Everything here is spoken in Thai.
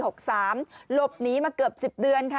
หลบหนีมาเกือบ๑๐เดือนค่ะ